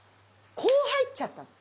こう入っちゃったの。